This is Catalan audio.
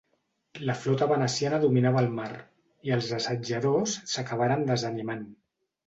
La flota veneciana dominava el mar, i els assetjadors s'acabaren desanimant.